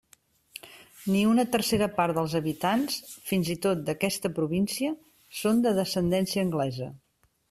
Ni una tercera part dels habitants, fins i tot d'aquesta província, són de descendència anglesa.